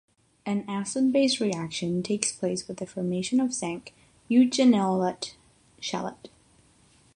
An acid-base reaction takes place with the formation of zinc eugenolate chelate.